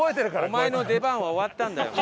お前の出番は終わったんだよ。